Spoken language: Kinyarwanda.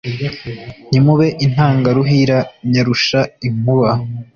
Ntimube Intangaruhira nyarusha inkuba